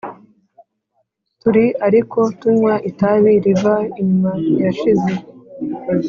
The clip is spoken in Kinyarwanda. turi ariko tunywa itabi riva inyuma yashize;